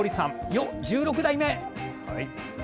よっ１６代目！